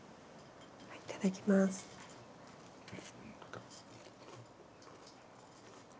いただきます。